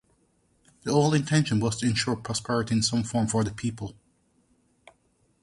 The old intention was to ensure prosperity in some form for the people.